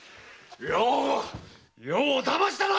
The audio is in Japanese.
余をだましたな！